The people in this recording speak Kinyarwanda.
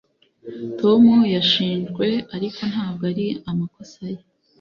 tom yashinjwe, ariko ntabwo ari amakosa ye